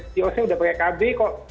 pcosnya sudah pakai kb kok